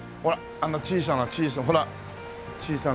あんな小さな小さなほら小さな植木。